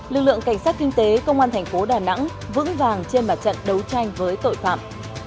lực lượng cảnh sát kinh tế công an thành phố đà nẵng vững vàng trên mặt trận đấu tranh với tội phạm